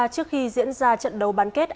trước khi diễn ra trận đầu bán kết